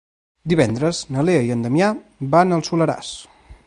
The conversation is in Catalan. Divendres na Lea i en Damià van al Soleràs.